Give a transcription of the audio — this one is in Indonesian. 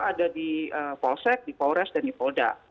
ada di polsek di polres dan di polda